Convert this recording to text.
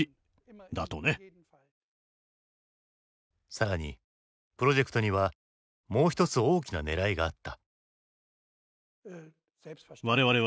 更にプロジェクトにはもう一つ大きなねらいがあった。